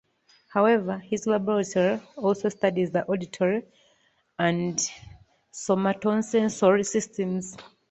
However, his laboratory also studies the auditory and somatosensory systems.